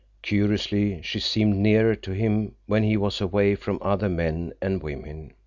Curiously, she seemed nearer to him when he was away from other men and women.